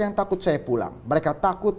yang takut saya pulang mereka takut